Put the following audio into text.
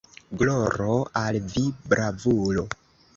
Gloro al vi, bravulo!